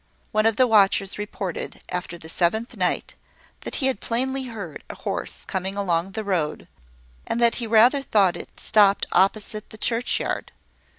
One of the watchers reported, after the seventh night, that he had plainly heard a horse coming along the road, and that he rather thought it stopped opposite the churchyard.